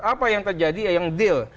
apa yang terjadi yang deal